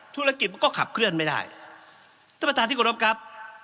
ธุรกิจมันก็ขับเคลื่อนไม่ได้ท่านประธานที่กรบครับ